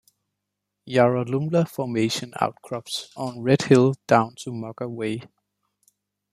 Yarralumla formation outcrops on Red Hill down to Mugga Way.